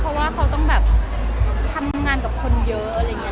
เพราะว่าเขาต้องแบบทำงานกับคนเยอะอะไรอย่างนี้